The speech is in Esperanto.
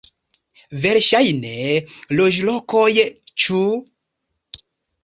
Verŝajne, loĝlokoj, ĉu?